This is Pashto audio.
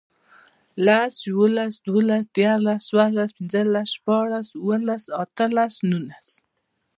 لس, یوولس, دوولس, دیرلس، څوارلس, پنځلس, شپاړس, اووهلس, اتهلس, نورلس